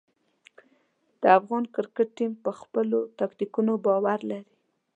د افغان کرکټ ټیم پر خپلو ټکتیکونو باور لري.